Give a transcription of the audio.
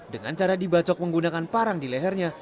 dengan cara dibacok menggunakan parang di lehernya